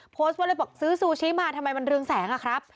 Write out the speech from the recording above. โพสต์ไว้เลยบอกซื้อซูชิมาทำไมมันเรืองแสงอะครับ